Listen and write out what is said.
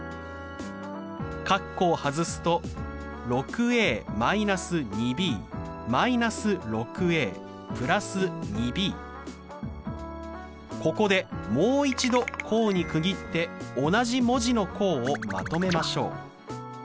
括弧を外すとここでもう一度項に区切って同じ文字の項をまとめましょう。